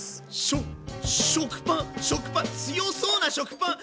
しょ食パン食パン強そうな食パン！